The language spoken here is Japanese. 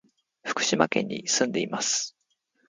福島県に住んでいます。